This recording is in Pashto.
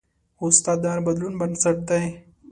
استاد د هر بدلون بنسټ دی.